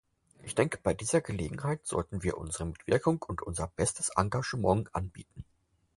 Ich denke, bei dieser Gelegenheit sollten wir unsere Mitwirkung und unser bestes Engagement anbieten.